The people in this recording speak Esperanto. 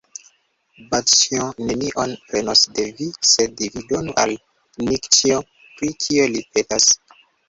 Bazĉjo nenion prenos de vi, sed vi donu al Nikĉjo, pri kio li petas.